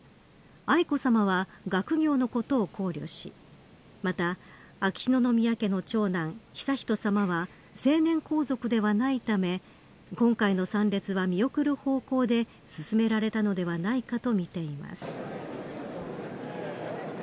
フジテレビ皇室担当橋本寿史解説委員によると愛子さまは学業のことを考慮しまた秋篠宮家の長男、悠仁さまは成年皇族ではないため今回の参列は見送る方向で進められたのではないかとみています。